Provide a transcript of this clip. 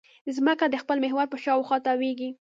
ځمکه د خپل محور په شاوخوا تاوېږي.